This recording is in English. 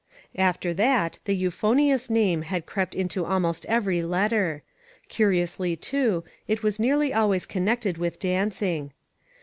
After that, the " euphonious " name had crept into almost every letter; curiously, too, it was nearly always connected with danc ing.